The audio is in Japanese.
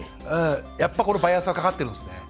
やっぱこのバイアスはかかってるんですね。